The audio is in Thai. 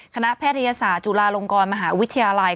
แพทยศาสตร์จุฬาลงกรมหาวิทยาลัย